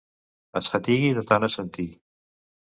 Es fatigui de tant assentir.